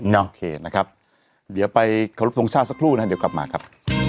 โอเคนะครับเดี๋ยวไปขอรบทรงชาติสักครู่นะเดี๋ยวกลับมาครับ